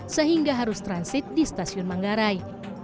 sehingga harus transit di stasiun manggarai